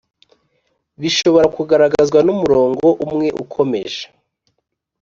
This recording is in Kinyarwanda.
bishobora kugaragazwa n'umurongo umwe ukomeje